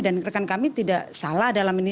dan rekan kami tidak salah dalam ini